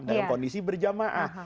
dalam kondisi berjamaah